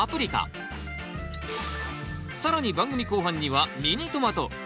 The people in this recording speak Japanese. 更に番組後半にはミニトマト。